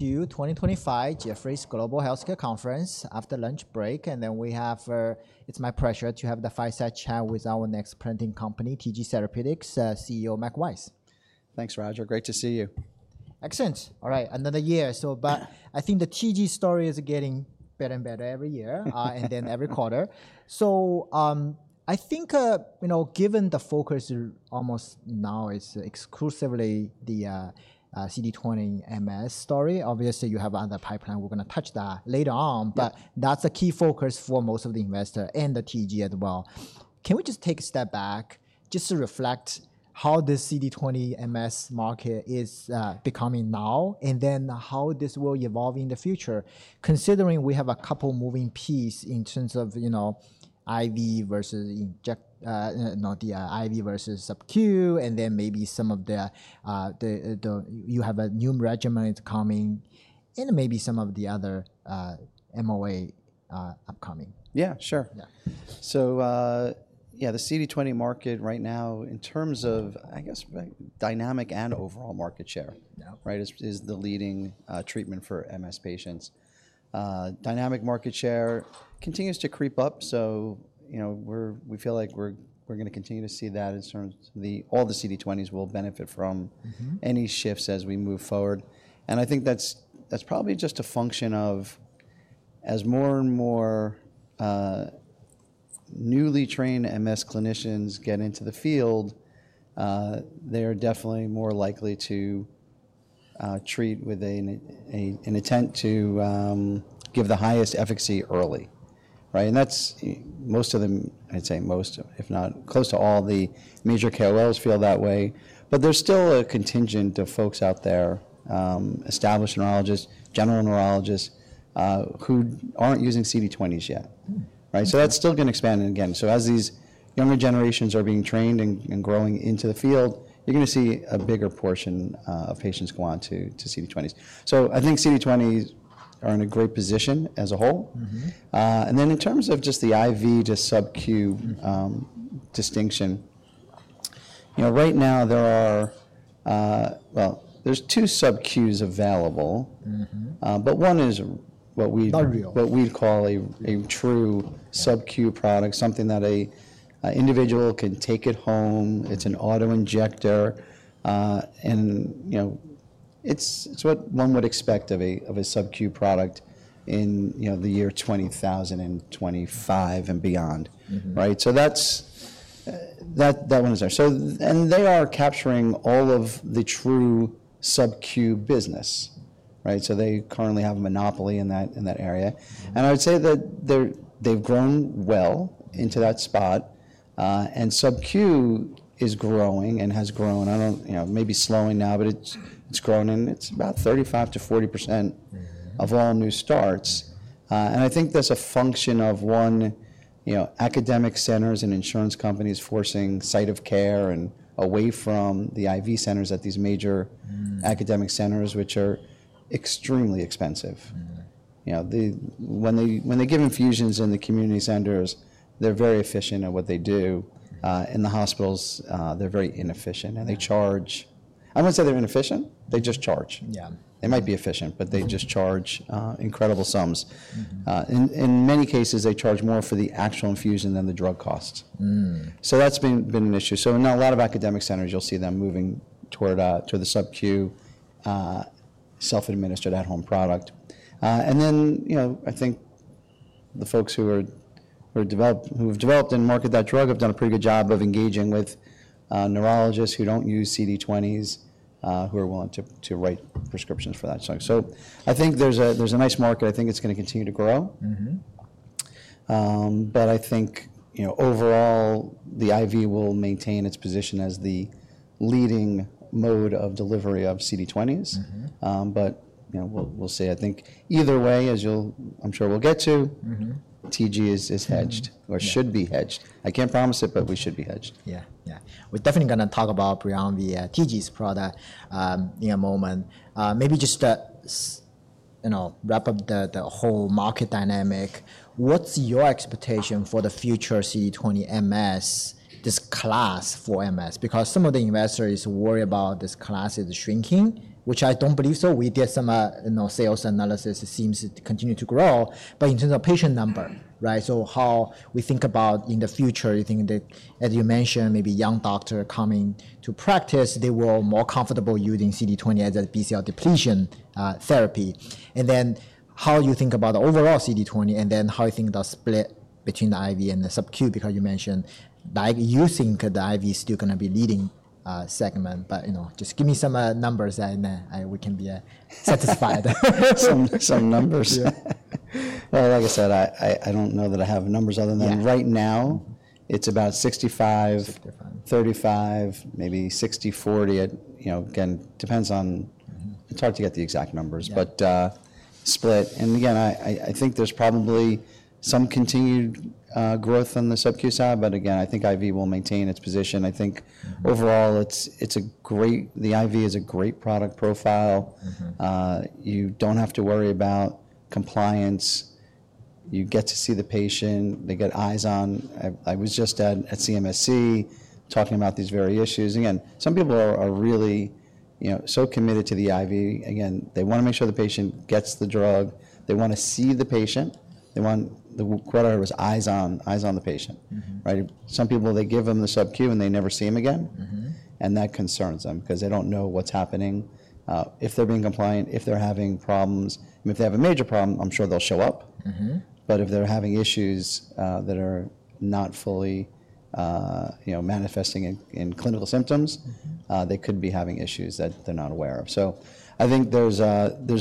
To 2025 Jefferies Global Healthcare Conference after lunch break. It is my pleasure to have the fireside chat with our next presenting company, TG Therapeutics, CEO, Mike Weiss. Thanks, Roger. Great to see you. Excellent. All right. Another year. I think the TG story is getting better and better every year, and then every quarter. I think, you know, given the focus almost now is exclusively the CD20 MS story. Obviously, you have another pipeline. We're gonna touch that later on, but that's a key focus for most of the investor and the TG as well. Can we just take a step back just to reflect how this CD20 MS market is becoming now, and then how this will evolve in the future, considering we have a couple moving pieces in terms of, you know, IV versus inject, you know, the IV versus subQ, and then maybe some of the, you have a new regimen coming and maybe some of the other MOA, upcoming. Yeah, sure. Yeah. So, the CD20 market right now, in terms of, I guess, dynamic and overall market share, is the leading treatment for MS patients. Dynamic market share continues to creep up. You know, we feel like we're gonna continue to see that in terms of all the CD20s will benefit from any shifts as we move forward. I think that's probably just a function of, as more and more newly trained MS clinicians get into the field, they're definitely more likely to treat with an attempt to give the highest efficacy early, right? That's most of them, I'd say most, if not close to all the major KOLs feel that way. There's still a contingent of folks out there, established neurologists, general neurologists, who aren't using CD20s yet, right? That's still gonna expand. Again, as these younger generations are being trained and growing into the field, you're gonna see a bigger portion of patients go on to CD20s. I think CD20s are in a great position as a whole. In terms of just the IV to subQ distinction, you know, right now there are, well, there are two subQs available, but one is what we would call a true subQ product, something that an individual can take at home. It's an auto injector, and, you know, it's what one would expect of a subQ product in, you know, the year 2025 and beyond, right? That one is there, and they are capturing all of the true subQ business, right? They currently have a monopoly in that area. I would say that they've grown well into that spot. SubQ is growing and has grown, I don't, you know, maybe slowing now, but it's grown and it's about 35%-40% of all new starts. I think that's a function of, one, you know, academic centers and insurance companies forcing site of care and away from the IV centers at these major academic centers, which are extremely expensive. You know, when they give infusions in the community centers, they're very efficient at what they do. In the hospitals, they're very inefficient and they charge, I wouldn't say they're inefficient, they just charge. Yeah. They might be efficient, but they just charge incredible sums. In many cases, they charge more for the actual infusion than the drug cost. That's been an issue. In a lot of academic centers, you'll see them moving toward the subQ, self-administered at-home product. And then, you know, I think the folks who have developed and marketed that drug have done a pretty good job of engaging with neurologists who don't use CD20s, who are willing to write prescriptions for that. So I think there's a nice market. I think it's gonna continue to grow. But I think, you know, overall, the IV will maintain its position as the leading mode of delivery of CD20s. But, you know, we'll see. I think either way, as you'll, I'm sure we'll get to, TG is hedged or should be hedged. I can't promise it, but we should be hedged. Yeah. Yeah. We're definitely gonna talk about beyond the, TG's product, in a moment. Maybe just to, you know, wrap up the, the whole market dynamic. What's your expectation for the future CD20 MS, this class for MS? Because some of the investors worry about this class is shrinking, which I don't believe so. We did some, you know, sales analysis. It seems to continue to grow, but in terms of patient number, right? So how we think about in the future, you think that, as you mentioned, maybe young doctor coming to practice, they were more comfortable using CD20 as a B-cell depletion, therapy. How you think about the overall CD20 and then how you think the split between the IV and the subQ, because you mentioned, like, you think the IV is still gonna be leading, segment, but, you know, just gimme some numbers and then I, we can be satisfied. Some numbers. Yeah. Like I said, I don't know that I have numbers other than right now it's about 65/35, maybe 60/40 at, you know, again, depends on, it's hard to get the exact numbers, but, split. Again, I think there's probably some continued growth on the subQ side, but again, I think IV will maintain its position. I think overall it's a great, the IV is a great product profile. You don't have to worry about compliance. You get to see the patient, they get eyes on. I was just at CMSC talking about these various issues. Again, some people are really, you know, so committed to the IV. Again, they want to make sure the patient gets the drug. They want to see the patient. They want the, whatever it was, eyes on, eyes on the patient, right? Some people, they give them the subQ and they never see 'em again. That concerns 'em 'cause they don't know what's happening, if they're being compliant, if they're having problems. If they have a major problem, I'm sure they'll show up. If they're having issues that are not fully, you know, manifesting in clinical symptoms, they could be having issues that they're not aware of. I think there's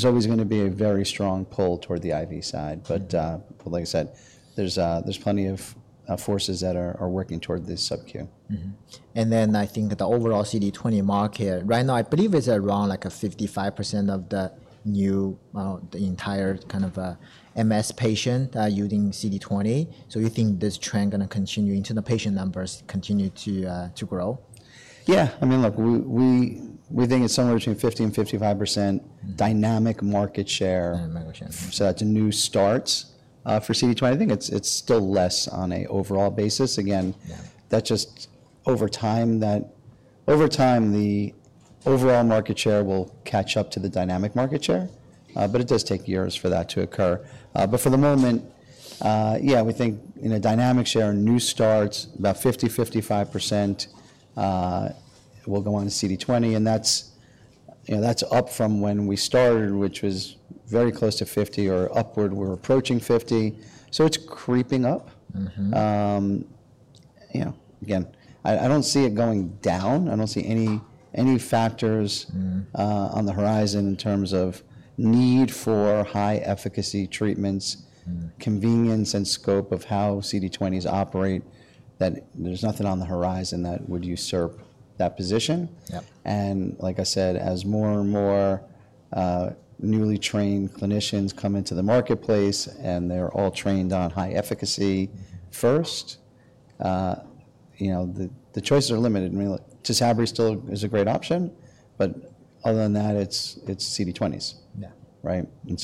always gonna be a very strong pull toward the IV side. Like I said, there's plenty of forces that are working toward this subQ. I think the overall CD20 market right now, I believe it's around like 55% of the new, the entire kind of MS patient, using CD20. Do you think this trend is gonna continue into the patient numbers continue to grow? Yeah. I mean, look, we think it's somewhere between 50% and 55% dynamic market share. So that's a new start, for CD20. I think it's still less on an overall basis. Again, that's just over time that over time the overall market share will catch up to the dynamic market share. It does take years for that to occur. For the moment, yeah, we think, you know, dynamic share, new starts, about 50%-55%, will go on to CD20. And that's, you know, that's up from when we started, which was very close to 50% or upward. We're approaching 50%. So it's creeping up. You know, again, I don't see it going down. I don't see any factors on the horizon in terms of need for high efficacy treatments, convenience, and scope of how CD20s operate, that there's nothing on the horizon that would usurp that position. Like I said, as more and more newly trained clinicians come into the marketplace and they're all trained on high efficacy first, you know, the choices are limited. I mean, like, TYSABRI still is a great option, but other than that, it's CD20s, right? You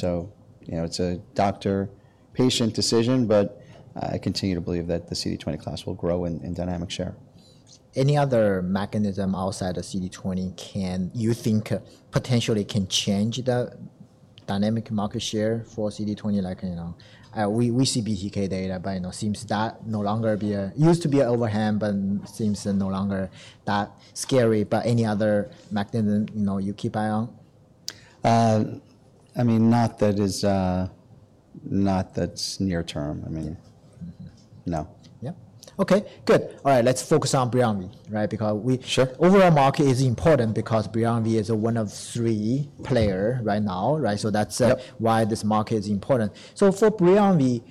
know, it's a doctor-patient decision, but I continue to believe that the CD20 class will grow in dynamic share. Any other mechanism outside of CD20 you think potentially can change the dynamic market share for CD20? Like, you know, we see BCK data, but, you know, seems that no longer be a, used to be an overhang, but seems no longer that scary. Any other mechanism, you know, you keep eye on? I mean, not that is, not that's near term. I mean, no. Yeah. Okay. Good. All right. Let's focus on BRIUMVI, right? Because we, overall market is important because BRIUMVI is one of three players right now, right? That's why this market is important. For BRIUMVI,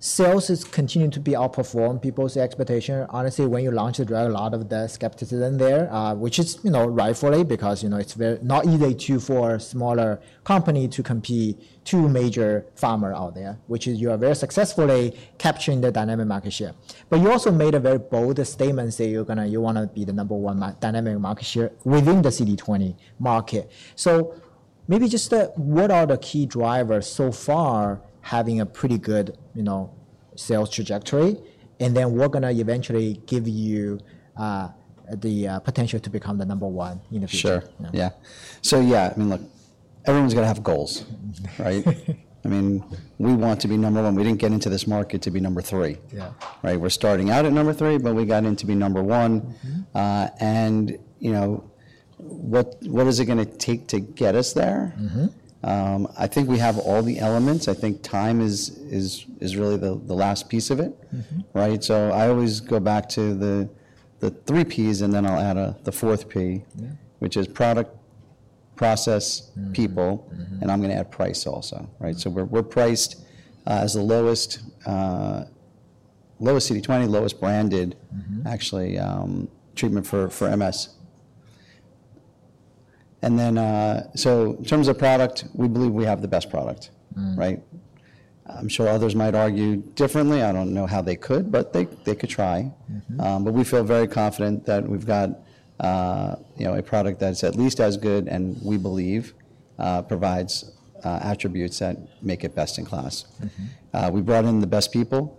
sales is continuing to be outperforming people's expectation. Honestly, when you launch the drug, a lot of the skepticism there, which is, you know, rightfully because, you know, it's very not easy to, for a smaller company to compete with two major pharmas out there, which is you are very successfully capturing the dynamic market share. You also made a very bold statement that you're gonna, you wanna be the number one dynamic market share within the CD20 market. Maybe just what are the key drivers so far having a pretty good, you know, sales trajectory? We're gonna eventually give you the potential to become the number one in the future. Sure. Yeah. So, yeah, I mean, look, everyone's gonna have goals, right? I mean, we want to be number one. We didn't get into this market to be number three, right? We're starting out at number three, but we got into being number one. You know, what is it gonna take to get us there? I think we have all the elements. I think time is really the last piece of it, right? I always go back to the three P's and then I'll add the fourth P, which is product, process, people, and I'm gonna add price also, right? We're priced as the lowest, lowest CD20, lowest branded, actually, treatment for MS. In terms of product, we believe we have the best product, right? I'm sure others might argue differently. I don't know how they could, but they could try. We feel very confident that we've got, you know, a product that's at least as good and we believe provides attributes that make it best in class. We brought in the best people,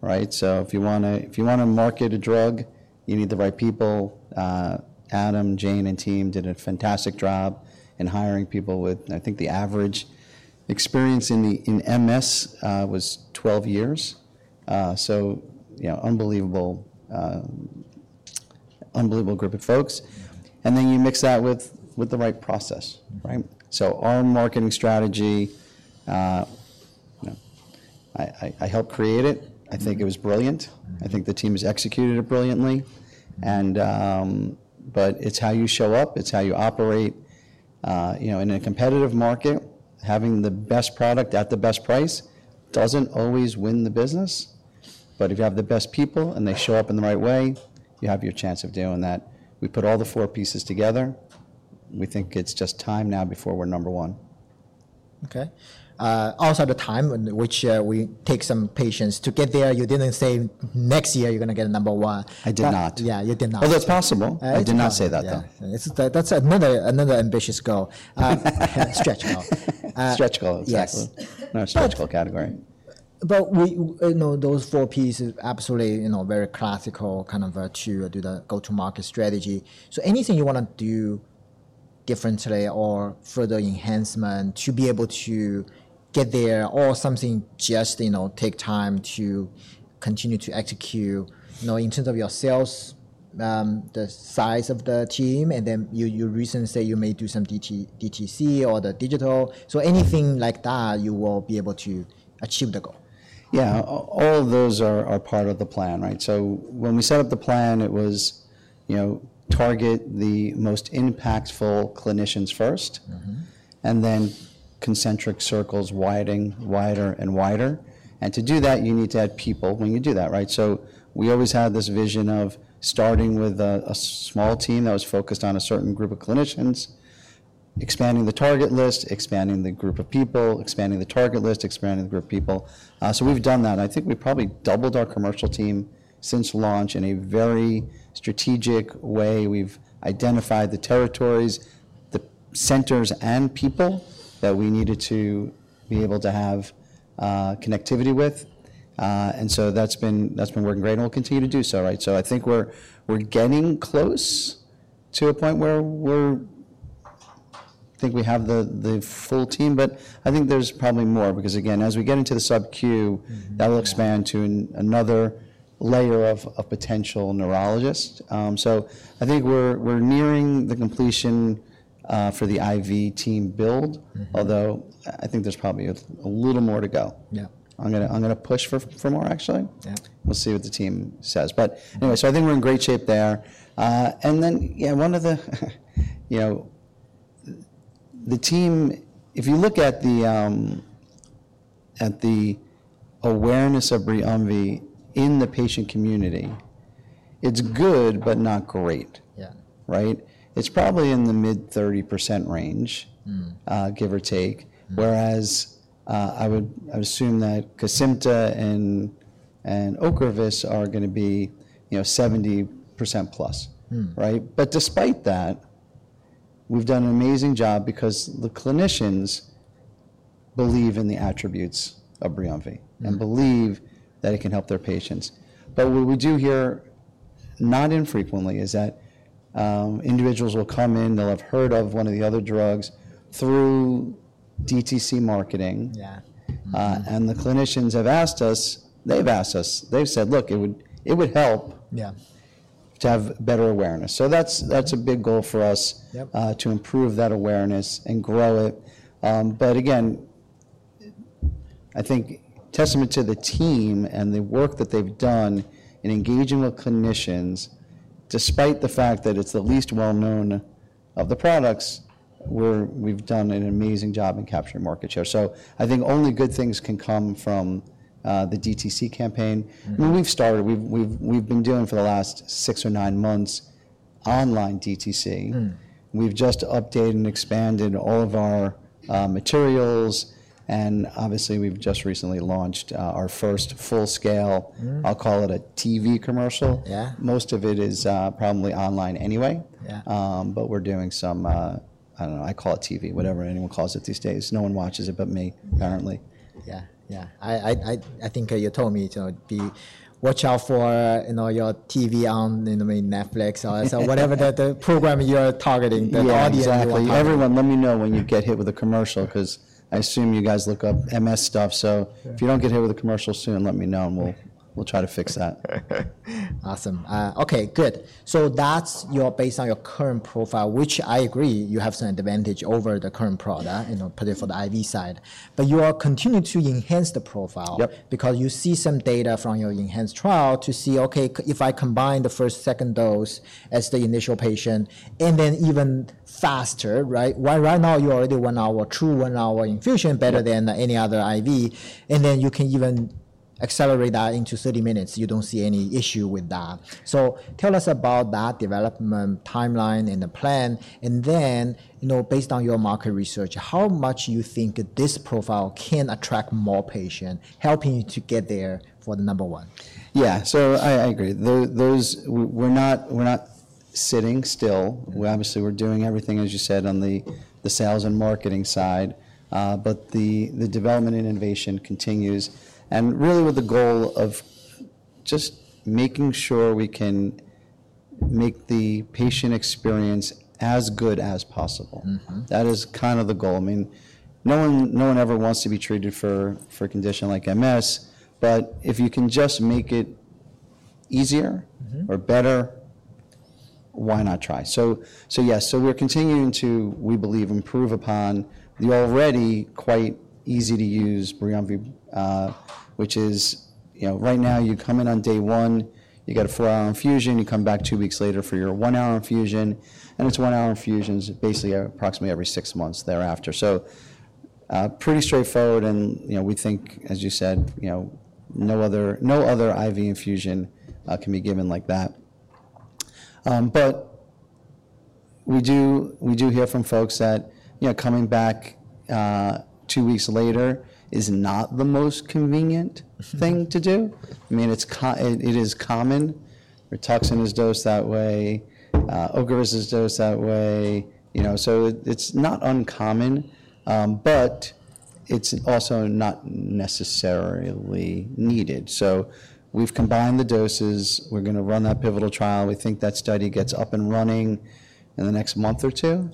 right? If you wanna market a drug, you need the right people. Adam, Jane and team did a fantastic job in hiring people with, I think the average experience in MS was 12 years. You know, unbelievable, unbelievable group of folks. You mix that with the right process, right? Our marketing strategy, you know, I helped create it. I think it was brilliant. I think the team has executed it brilliantly. It is how you show up, it is how you operate, you know, in a competitive market, having the best product at the best price does not always win the business. If you have the best people and they show up in the right way, you have your chance of doing that. We put all the four pieces together. We think it is just time now before we are number one. Okay. Also the time in which we take some patience to get there. You didn't say next year you're gonna get a number one. I did not. Yeah. You did not. That's possible. I did not say that though. That's another ambitious goal, stretch goal. Stretch goal. Yes. No, stretch goal category. We, you know, those four P's are absolutely, you know, very classical kind of a to do the go-to-market strategy. So anything you wanna do differently or further enhancement to be able to get there or something just, you know, take time to continue to execute, you know, in terms of your sales, the size of the team. And then you, you recently say you may do some DTC or the digital. So anything like that, you will be able to achieve the goal. Yeah. All of those are part of the plan, right? When we set up the plan, it was, you know, target the most impactful clinicians first and then concentric circles widening wider and wider. To do that, you need to add people when you do that, right? We always had this vision of starting with a small team that was focused on a certain group of clinicians, expanding the target list, expanding the group of people, expanding the target list, expanding the group of people. We've done that. I think we probably doubled our commercial team since launch in a very strategic way. We've identified the territories, the centers and people that we needed to be able to have connectivity with. That's been working great and we'll continue to do so, right? I think we're getting close to a point where we're, I think we have the full team, but I think there's probably more because again, as we get into the subQ, that'll expand to another layer of potential neurologists. I think we're nearing the completion for the IV team build, although I think there's probably a little more to go. Yeah. I'm gonna push for more actually. Yeah. We'll see what the team says. Anyway, I think we're in great shape there. Yeah, one of the, you know, the team, if you look at the awareness of BRIUMVI in the patient community, it's good, but not great, right? It's probably in the mid 30% range, give or take. Whereas, I would, I would assume that KESIMPTA and OCREVUS are gonna be, you know, 70%+, right? Despite that, we've done an amazing job because the clinicians believe in the attributes of BRIUMVI and believe that it can help their patients. What we do hear not infrequently is that individuals will come in, they'll have heard of one of the other drugs through DTC marketing. Yeah. And the clinicians have asked us, they've asked us, they've said, look, it would, it would help to have better awareness. That's a big goal for us, to improve that awareness and grow it. Again, I think testament to the team and the work that they've done in engaging with clinicians, despite the fact that it's the least well-known of the products, we've done an amazing job in capturing market share. I think only good things can come from the DTC campaign. I mean, we've started, we've been doing for the last six or nine months online DTC. We've just updated and expanded all of our materials. And obviously we've just recently launched our first full scale, I'll call it a TV commercial. Yeah. Most of it is probably online anyway, but we're doing some, I don't know, I call it TV, whatever anyone calls it these days. No one watches it but me apparently. Yeah. Yeah. I think you told me, you know, be watch out for, you know, your TV on, you know, Netflix or whatever the program you are targeting that the audience. Exactly. Everyone let me know when you get hit with a commercial 'cause I assume you guys look up MS stuff. If you don't get hit with a commercial soon, let me know and we'll, we'll try to fix that. Awesome. Okay. Good. So that's your, based on your current profile, which I agree you have some advantage over the current product, you know, particularly for the IV side, but you are continuing to enhance the profile because you see some data from your enhanced trial to see, okay, if I combine the first, second dose as the initial patient and then even faster, right? Why right now you already went our true one hour infusion better than any other IV. And then you can even accelerate that into 30 minutes. You don't see any issue with that. Tell us about that development timeline and the plan. And then, you know, based on your market research, how much you think this profile can attract more patient helping you to get there for the number one? Yeah. So I agree. Those, those we're not, we're not sitting still. We obviously, we're doing everything as you said on the sales and marketing side, but the development and innovation continues and really with the goal of just making sure we can make the patient experience as good as possible. That is kind of the goal. I mean, no one, no one ever wants to be treated for a condition like MS, but if you can just make it easier or better, why not try? Yes. We're continuing to, we believe, improve upon the already quite easy to use BRIUMVI, which is, you know, right now you come in on day one, you get a four-hour infusion, you come back two weeks later for your one-hour infusion, and it's one-hour infusions basically approximately every six months thereafter. Pretty straightforward. You know, we think, as you said, you know, no other, no other IV infusion can be given like that. We do, we do hear from folks that, you know, coming back two weeks later is not the most convenient thing to do. I mean, it is common. RITUXAN is dosed that way. OCREVUS is dosed that way. You know, so it's not uncommon, but it's also not necessarily needed. So we've combined the doses. We're gonna run that pivotal trial. We think that study gets up and running in the next month or two.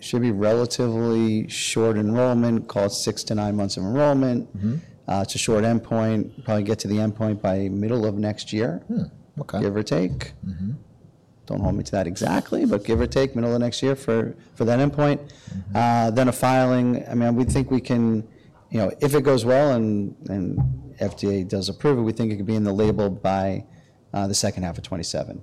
Should be relatively short enrollment, call it six to nine months of enrollment. It's a short end point, probably get to the end point by middle of next year, give or take. Don't hold me to that exactly, but give or take middle of next year for that end point. Then a filing, I mean, we think we can, you know, if it goes well and FDA does approve it, we think it could be in the label by the second half of 2027.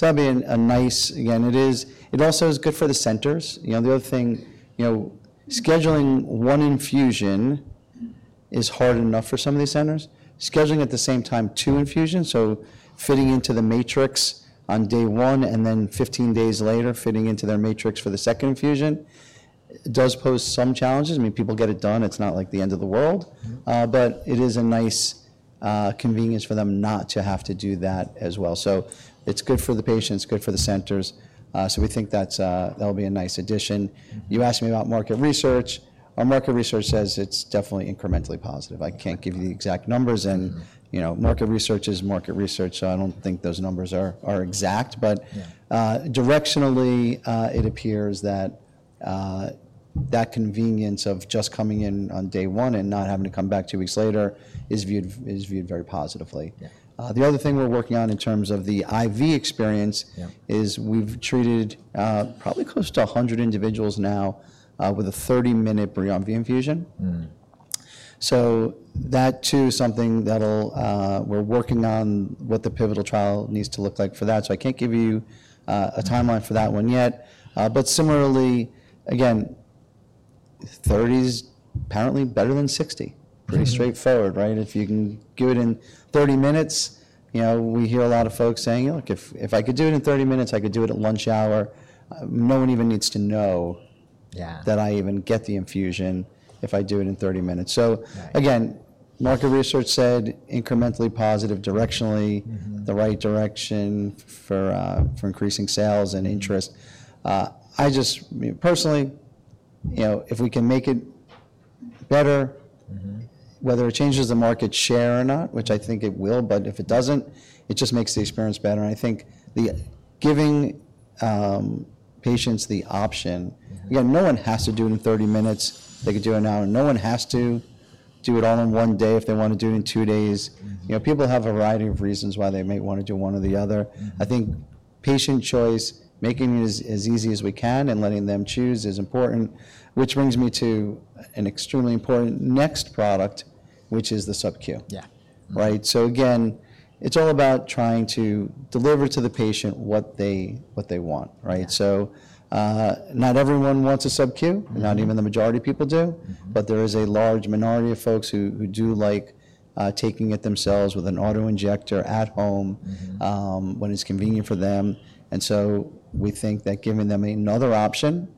That would be a nice, again, it is, it also is good for the centers. You know, the other thing, you know, scheduling one infusion is hard enough for some of these centers, scheduling at the same time two infusions. Fitting into the matrix on day one and then 15 days later fitting into their matrix for the second infusion does pose some challenges. I mean, people get it done. It's not like the end of the world, but it is a nice convenience for them not to have to do that as well. It is good for the patients, good for the centers. We think that will be a nice addition. You asked me about market research. Our market research says it's definitely incrementally positive. I can't give you the exact numbers and, you know, market research is market research. I don't think those numbers are exact, but directionally, it appears that convenience of just coming in on day one and not having to come back two weeks later is viewed very positively. The other thing we're working on in terms of the IV experience is we've treated probably close to 100 individuals now with a 30-minute BRIUMVI infusion. That too is something we're working on, what the pivotal trial needs to look like for that. I can't give you a timeline for that one yet. Similarly, again, 30s apparently better than 60. Pretty straightforward, right? If you can do it in 30 minutes, you know, we hear a lot of folks saying, you know, look, if, if I could do it in 30 minutes, I could do it at lunch hour. No one even needs to know that I even get the infusion if I do it in 30 minutes. Again, market research said incrementally positive, directionally, the right direction for increasing sales and interest. I just personally, you know, if we can make it better, whether it changes the market share or not, which I think it will, but if it does not, it just makes the experience better. I think giving patients the option, again, no one has to do it in 30 minutes. They could do it now. No one has to do it all in one day if they want to do it in two days. You know, people have a variety of reasons why they may wanna do one or the other. I think patient choice, making it as easy as we can and letting them choose is important, which brings me to an extremely important next product, which is the subQ. Yeah. Right. It's all about trying to deliver to the patient what they, what they want, right? Not everyone wants a subQ, not even the majority of people do, but there is a large minority of folks who do like taking it themselves with an auto injector at home, when it's convenient for them. We think that giving them another option,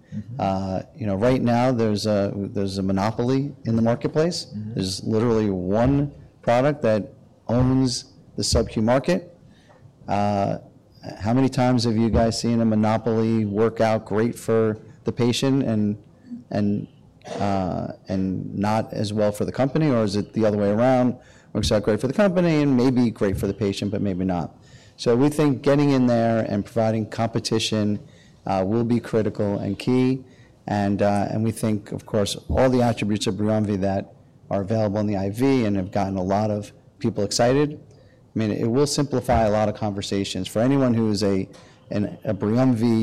you know, right now there's a monopoly in the marketplace. There's literally one product that owns the subQ market. How many times have you guys seen a monopoly work out great for the patient and not as well for the company? Or is it the other way around? Works out great for the company and maybe great for the patient, but maybe not. We think getting in there and providing competition will be critical and key. We think, of course, all the attributes of BRIUMVI that are available in the IV and have gotten a lot of people excited. I mean, it will simplify a lot of conversations for anyone who is a BRIUMVI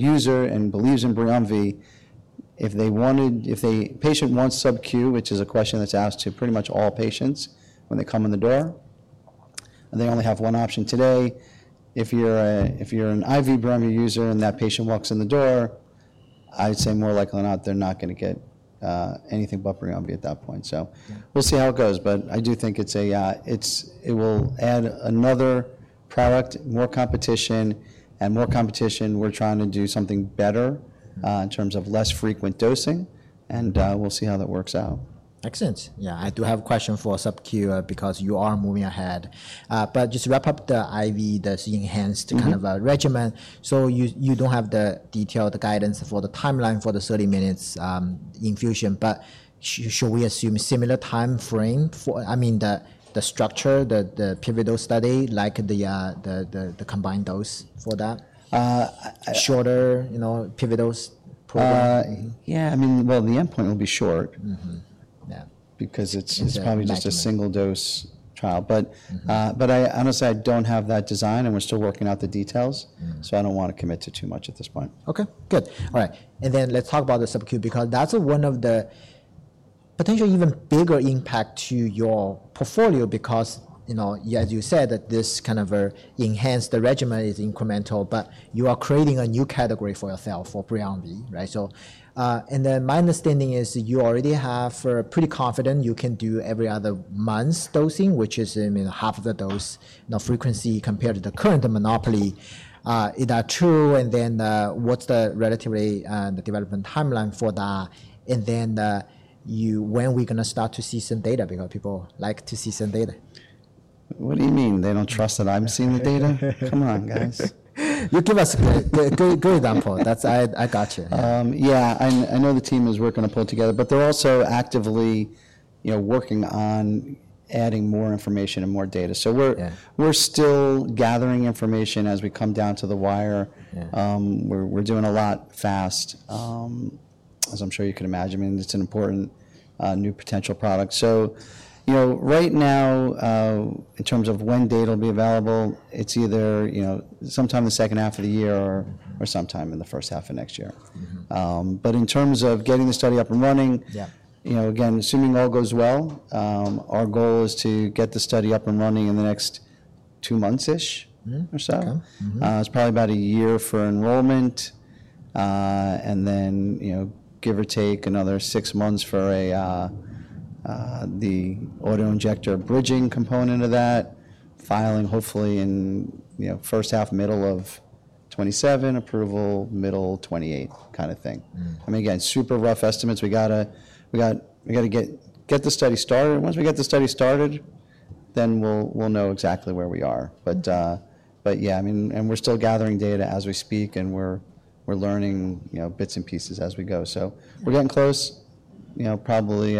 user and believes in BRIUMVI. If the patient wants subQ, which is a question that's asked to pretty much all patients when they come in the door, they only have one option today. If you're a, if you're an IV BRIUMVI user and that patient walks in the door, I'd say more likely than not, they're not gonna get anything but BRIUMVI at that point. We'll see how it goes. I do think it will add another product, more competition and more competition. We're trying to do something better, in terms of less frequent dosing and we'll see how that works out. Excellent. Yeah. I do have a question for subQ because you are moving ahead. Just to wrap up the IV, that's enhanced kind of a regimen. You do not have the detail, the guidance for the timeline for the 30 minutes infusion, but should we assume similar timeframe for, I mean, the structure, the pivotal study, like the combined dose for that, shorter, you know, pivotal program? Yeah. I mean, the end point will be short. Yeah. Because it's probably just a single dose trial. But I honestly, I don't have that design and we're still working out the details. I don't wanna commit to too much at this point. Okay. Good. All right. Let's talk about the subQ because that's one of the potentially even bigger impacts to your portfolio because, you know, as you said, this kind of an enhanced regimen is incremental, but you are creating a new category for yourself for BRIUMVI, right? My understanding is you already have pretty confident you can do every other month's dosing, which is, I mean, half of the dose frequency compared to the current monopoly. Is that true? What's the relatively, the development timeline for that? When are we gonna start to see some data? Because people like to see some data. What do you mean? They don't trust that I'm seeing the data? Come on, guys. You give us a good, good example. That's, I got you. Yeah. I know the team is working to pull together, but they're also actively, you know, working on adding more information and more data. So we're still gathering information as we come down to the wire. We're doing a lot fast, as I'm sure you can imagine. I mean, it's an important, new potential product. So, you know, right now, in terms of when data will be available, it's either, you know, sometime in the second half of the year or sometime in the first half of next year. But in terms of getting the study up and running, you know, again, assuming all goes well, our goal is to get the study up and running in the next two months-ish or so. It's probably about a year for enrollment. And then, you know, give or take another six months for a, the auto injector bridging component of that filing, hopefully in, you know, first half, middle of 2027, approval middle 2028 kind of thing. I mean, again, super rough estimates. We gotta get the study started. Once we get the study started, then we'll know exactly where we are. But yeah, I mean, and we're still gathering data as we speak and we're learning, you know, bits and pieces as we go. So we're getting close, you know, probably,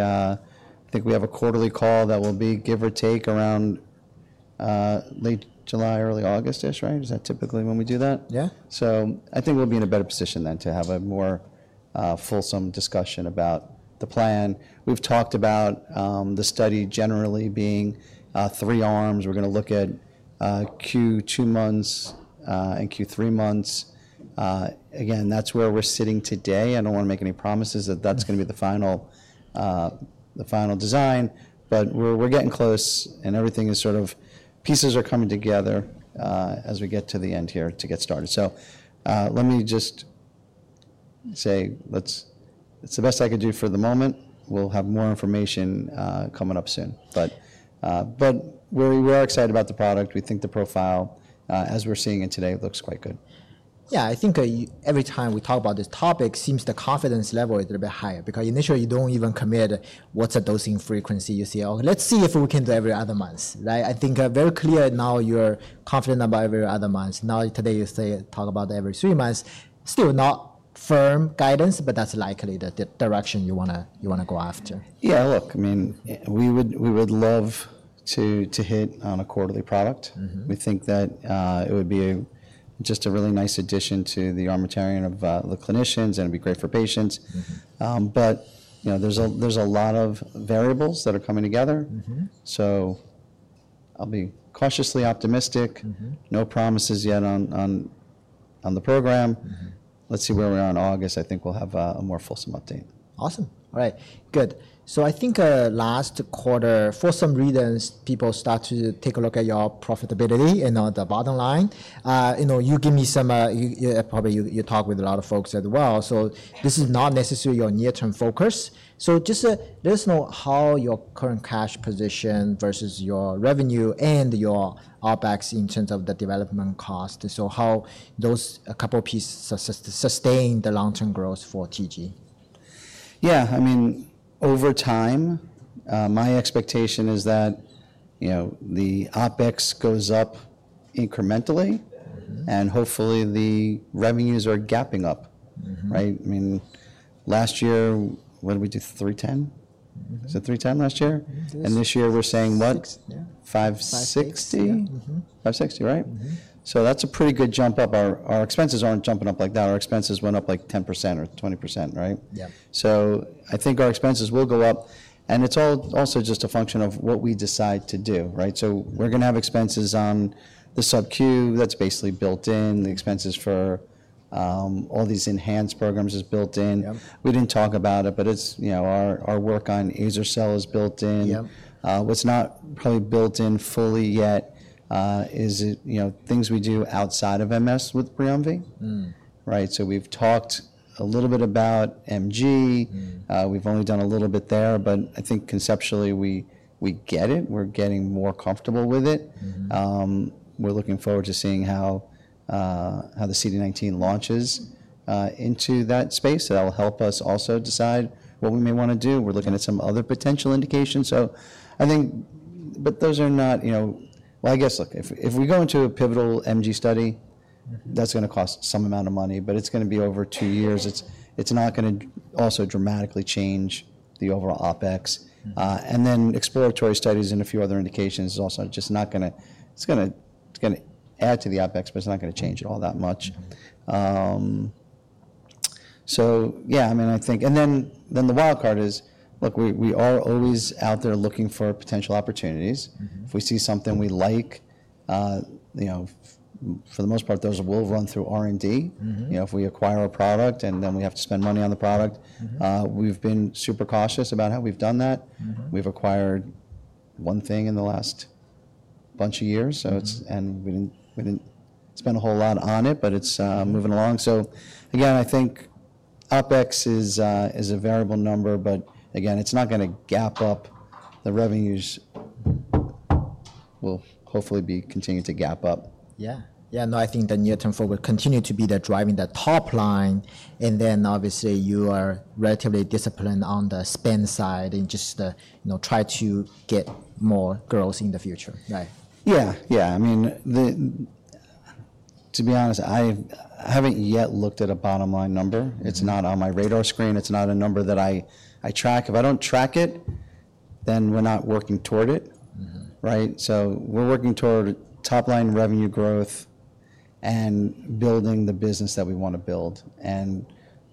I think we have a quarterly call that will be give or take around, late July, early August-ish, right? Is that typically when we do that? Yeah. I think we'll be in a better position then to have a more fulsome discussion about the plan. We've talked about the study generally being three arms. We're gonna look at Q2 months and Q3 months. Again, that's where we're sitting today. I don't wanna make any promises that that's gonna be the final design, but we're getting close and everything is sort of, pieces are coming together as we get to the end here to get started. Let me just say, it's the best I could do for the moment. We'll have more information coming up soon. We are excited about the product. We think the profile, as we're seeing it today, looks quite good. Yeah. I think every time we talk about this topic, it seems the confidence level is a little bit higher because initially you don't even commit what's the dosing frequency you see. Oh, let's see if we can do every other month, right? I think very clear now you're confident about every other month. Now today you say talk about every three months, still not firm guidance, but that's likely the direction you wanna, you wanna go after. Yeah. Look, I mean, we would love to hit on a quarterly product. We think that it would be just a really nice addition to the armamentarium of the clinicians and it'd be great for patients. You know, there's a lot of variables that are coming together. I'll be cautiously optimistic. No promises yet on the program. Let's see where we are on August. I think we'll have a more fulsome update. Awesome. All right. Good. I think, last quarter, for some reasons, people start to take a look at your profitability and on the bottom line. You know, you give me some, you probably, you talk with a lot of folks as well. This is not necessarily your near-term focus. Just let us know how your current cash position versus your revenue and your OpEx in terms of the development cost. How do those couple pieces sustain the long-term growth for TG? Yeah. I mean, over time, my expectation is that, you know, the OpEx goes up incrementally and hopefully the revenues are gapping up, right? I mean, last year, what did we do? $310 million? Is it $310 million last year? And this year we're saying what? $560 million? $560 million, right? That's a pretty good jump up. Our expenses are not jumping up like that. Our expenses went up like 10% or 20%, right? Yeah. I think our expenses will go up and it's also just a function of what we decide to do, right? We're gonna have expenses on the subQ that's basically built in. The expenses for all these enhanced programs is built in. We did not talk about it, but it's, you know, our work on azer-cel is built in. What's not probably built in fully yet is, you know, things we do outside of MS with BRIUMVI, right? So we've talked a little bit about MG. We've only done a little bit there, but I think conceptually we get it. We're getting more comfortable with it. We're looking forward to seeing how the CD19 launches into that space. That'll help us also decide what we may wanna do. We're looking at some other potential indications. I think, but those are not, you know, I guess, look, if we go into a pivotal MG study, that's gonna cost some amount of money, but it's gonna be over two years. It's not gonna also dramatically change the overall OpEx. And then exploratory studies and a few other indications is also just not gonna, it's gonna, it's gonna add to the OpEx, but it's not gonna change it all that much. Yeah, I mean, I think, and then the wild card is, look, we are always out there looking for potential opportunities. If we see something we like, you know, for the most part, those will rn through R&D, you know, if we acquire a product and then we have to spend money on the product. We've been super cautious about how we've done that. We've acquired one thing in the last bunch of years. So it's, and we didn't, we didn't spend a whole lot on it, but it's moving along. Again, I think OpEx is a variable number, but again, it's not gonna gap up. The revenues will hopefully be continuing to gap up. Yeah. Yeah. No, I think the near-term focus will continue to be driving the top line. And then obviously you are relatively disciplined on the spend side and just the, you know, try to get more growth in the future, right? Yeah. Yeah. I mean, to be honest, I haven't yet looked at a bottom line number. It's not on my radar screen. It's not a number that I track. If I don't track it, then we're not working toward it, right? We are working toward top line revenue growth and building the business that we wanna build.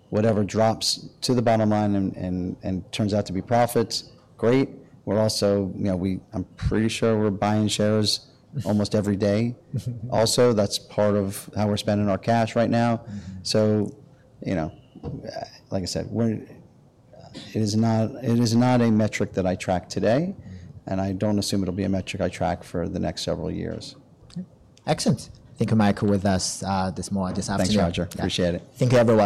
Whatever drops to the bottom line and turns out to be profits, great. We're also, you know, I'm pretty sure we're buying shares almost every day. Also, that's part of how we're spending our cash right now. You know, like I said, it is not a metric that I track today and I don't assume it'll be a metric I track for the next several years. Excellent. Thank you, Mike, with us this morning. Thanks, Roger. Appreciate it. Thank you.